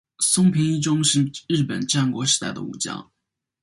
松平伊忠是日本战国时代的武将。